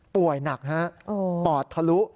ป่วยหนักฮะปอดทะลุ